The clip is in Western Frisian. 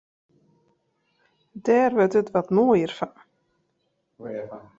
Dêr wurdt it wat moaier fan.